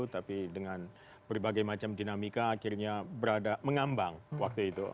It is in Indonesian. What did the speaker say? tapi dengan berbagai macam dinamika akhirnya berada mengambang waktu itu